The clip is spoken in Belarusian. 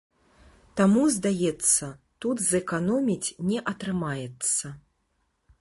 Таму, здаецца, тут зэканоміць не атрымаецца.